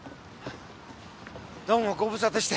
どうもご無沙汰して。